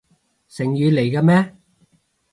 成語嚟嘅咩？